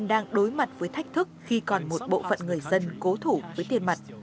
đang đối mặt với thách thức khi còn một bộ phận người dân cố thủ với tiền mặt